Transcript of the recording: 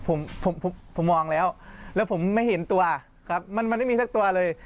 ผมผมมองแล้วแล้วผมไม่เห็นตัวครับมันมันไม่มีสักตัวเลย